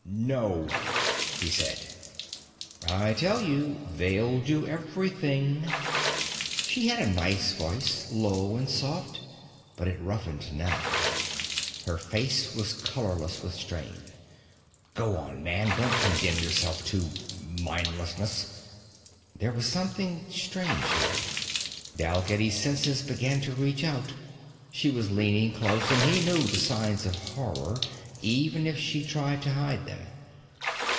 "No," he said. "I tell you they'll do everything!" She had a nice voice, low and soft, but it roughened now. Her face was colorless with strain. "Go on man, don't condemn yourself to mindlessness!" There was something strange here. Dalgetty's senses began to reach out. She was leaning close and he knew the signs of horror even if she tried to hide them.